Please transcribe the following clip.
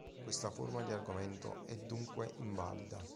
Questa forma di argomento è dunque invalida.